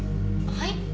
はい？